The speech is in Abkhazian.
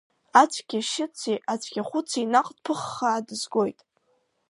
Ацәгьашьыци ацәгьахәыци наҟ дԥыхааса дызгоит.